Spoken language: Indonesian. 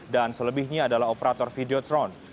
dan selebihnya adalah operator videotron